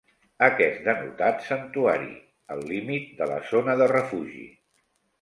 Aquest denotat santuari, el límit de la zona de refugi.